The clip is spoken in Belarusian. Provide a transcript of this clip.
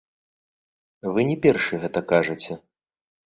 Вы не першы гэта кажаце.